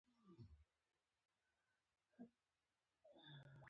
چې د برټانیې له خاورې ووځي.